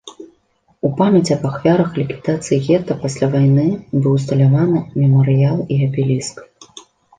У памяць аб ахвярах ліквідацыі гета пасля вайны быў усталяваны мемарыял і абеліск.